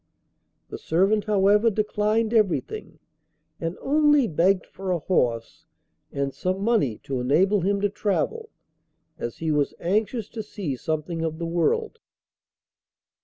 The servant, however, declined everything, and only begged for a horse and some money to enable him to travel, as he was anxious to see something of the world.